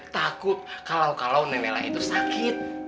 takut kalau kalau nenela itu sakit